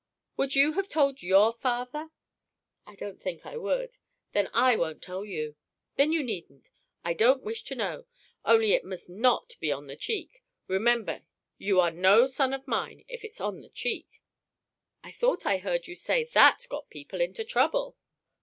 Would you have told your father?" "I don't think I would." "Then I won't tell you." "Then you needn't! I don't wish to know only it must not be on the cheek! Remember, you are no son of mine if it's on the cheek!" "I thought I heard you say that got people into trouble."